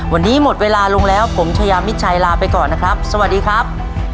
วันนี้หมดเวลาลงแล้วผมชายามิดชัยลาไปก่อนนะครับสวัสดีครับ